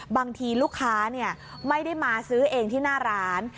บางทีลูกค้าไม่ได้มาซื้อเองที่หน้าร้าน